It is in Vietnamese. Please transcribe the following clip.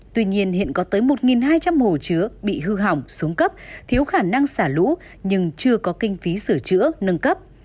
tuy nhiên hiện có tới một hai trăm linh hồ chứa bị hư hỏng xuống cấp thiếu khả năng xả lũ nhưng chưa có kinh phí sửa chữa nâng cấp